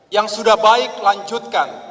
yang sudah baik lanjukkan